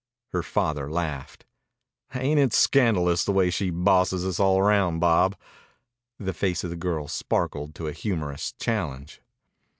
Her father laughed. "Ain't it scandalous the way she bosses us all around, Bob?" The face of the girl sparkled to a humorous challenge.